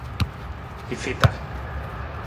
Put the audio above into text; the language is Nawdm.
I feta.